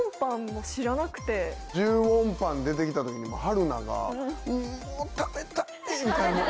１０ウォンパン出てきた時にはるながもう食べたい！みたいな。